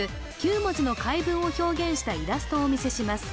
９文字の回文を表現したイラストをお見せします